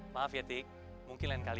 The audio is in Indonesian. maaf ya tik mungkin lain kali